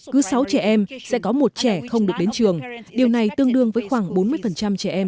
cứ sáu trẻ em sẽ có một trẻ không được đến trường điều này tương đương với khoảng bốn mươi trẻ em